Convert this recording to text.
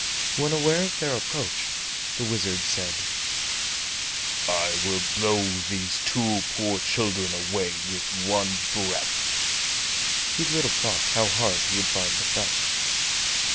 When aware of their approach, the wizard said: "I will blow these two poor children away with one breath." (He little thought how hard he would find the fight.)